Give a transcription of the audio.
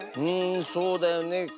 うんそうだよね。